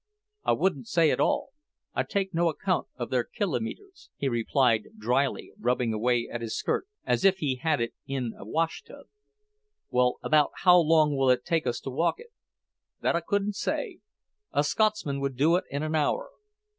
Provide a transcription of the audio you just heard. "I wouldn't say at all. I take no account of their kilometers," he replied dryly, rubbing away at his skirt as if he had it in a washtub. "Well, about how long will it take us to walk it?" "That I couldn't say. A Scotsman would do it in an hour."